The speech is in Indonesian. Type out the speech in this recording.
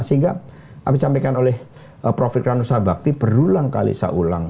sehingga apa dicampaikan oleh prof rannusa bhakti berulang kali seulang